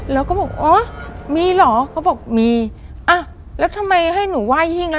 แล้วก็บอกอ๋อมีเหรอเขาบอกมีอ่ะแล้วทำไมให้หนูไหว้หิ้งอ่ะ